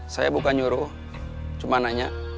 saya bukan nyuruh cuma nanya